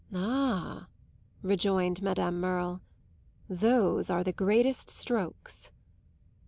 "Ah," rejoined Madame Merle, "those are the greatest strokes!"